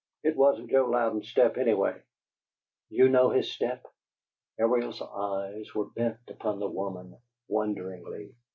It wasn't Joe Louden's step, anyway." "You know his step?" Ariel's eyes were bent upon the woman wonderingly.